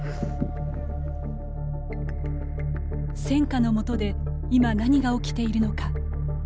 戦火の下でいま何が起きているのか。